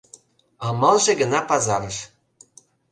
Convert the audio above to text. Амалже гына пазарыш...